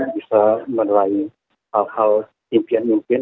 bisa menerai hal hal impian mungkin